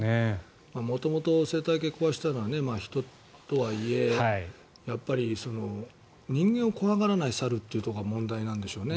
元々、生態系を壊したのは人とはいえやっぱり、人間を怖がらない猿というところが問題なんでしょうね。